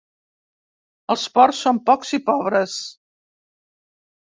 Els ports són pocs i pobres.